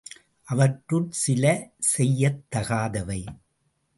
அவற்றுள் சில..... செய்யத் தகாதவை